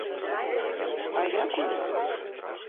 А як у іх?